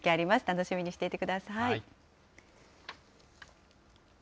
楽しみにしていてください。